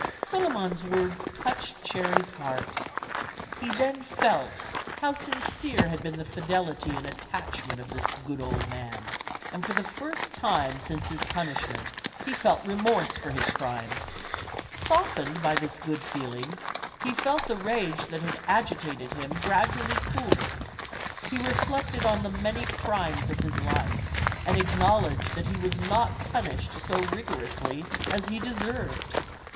Suliman's words touched Cherry's heart. He then felt how sincere had been the fidelity and attachment of this good old man; and for the first time since his punish ment he felt remorse for his crimes. Softened by this good feeling, he felt the rage that had agitated him gradually cool; he reflected on the many crimes of his life, and acknowledged that he was not punished so rig orously as he deserved.